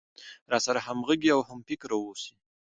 راسره همغږى او هم فکره اوسي.